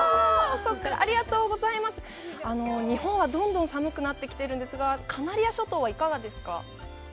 日本はどんどん寒くなってきているんですが、カナリア諸島はいかがですか？